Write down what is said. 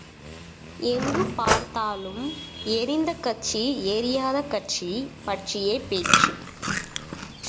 எங்குப் பார்த்தாலும் எரிந்த கட்சி எரியாத கட்சி பற்றியே பேச்சு!